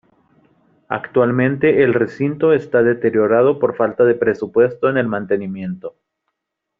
Actualmente el recinto está deteriorado por falta de presupuesto en el mantenimiento.